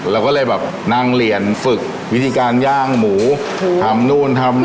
เราก็เลยแบบนั่งเรียนฝึกวิธีการย่างหมูทำนู่นทำนี่